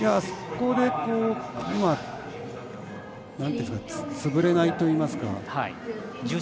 そこで潰れないといいますか。